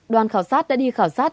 đoàn khảo sát đã đi khảo sát